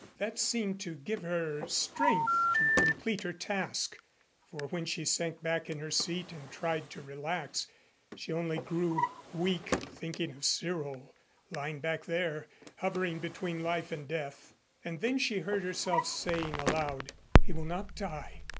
That seemed to give her strength to complete her task, for when she sank back in her seat and tried to relax she only grew weak thinking of Cyril lying back there, hovering between life and death. And then she heard herself saying aloud, "He will not die.